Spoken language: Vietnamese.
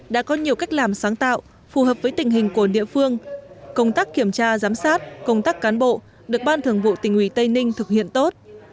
đã có nhiều cách làm sáng tạo phù hợp với tình hình của địa phương công tác kiểm tra giám sát công tác cán bộ được ban thường vụ tỉnh ủy tây ninh thực hiện tốt